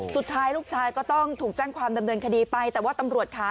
สุดท้ายลูกชายก็ต้องถูกแจ้งความดำเนินคดีไปแต่ว่าตำรวจค่ะ